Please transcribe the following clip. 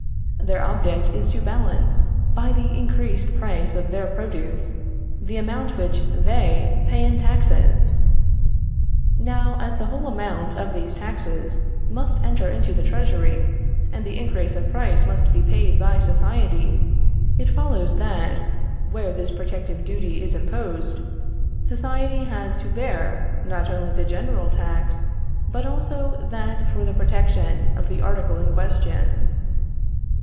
Their object is to balance, by the increased price of their produce, the amount which they pay in taxes. Now, as the whole amount of these taxes must enter into the treasury, and the increase of price must be paid by society, it follows that (where this protective duty is imposed) society has to bear, not only the general tax, but also that for the protection of the article in question.